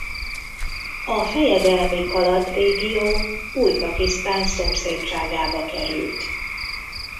A fejedelmi Kalat régió új Pakisztán szomszédságába került.